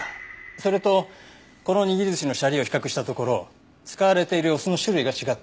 それとこの握り寿司のシャリを比較したところ使われているお酢の種類が違っていました。